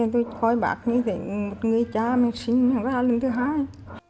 tôi khỏi bác như vậy một người cha mình sinh ra lần thứ hai